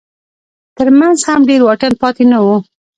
تر منځ هم ډېر واټن پاتې نه و.